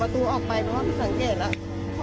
เพราะว่าพรุ่งนี้ทำบนบ้านนี่นะคะ